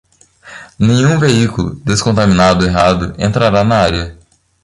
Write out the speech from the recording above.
Nenhum veículo descontaminado errado entrará na área.